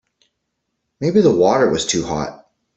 Maybe the water was too hot.